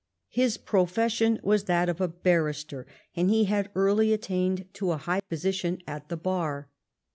His profession was that of a barrister, and he had early attained to a high position at the bar.